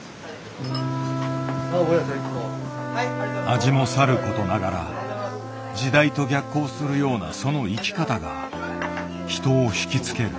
味もさることながら時代と逆行するようなその生き方が人をひき付ける。